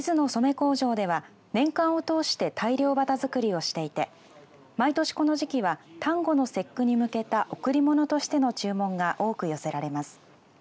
工場では年間を通して大漁旗づくりをしていて毎年この時期は端午の節句に向けた贈り物としての注文が多く寄せられます。